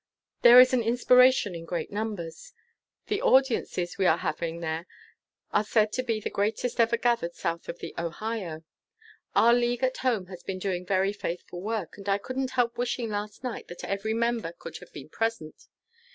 There is an inspiration in great numbers. The audiences we are having there are said to be the greatest ever gathered south of the Ohio. Our League at home has been doing very faithful work, but I couldn't help wishing last night that every member could have been present.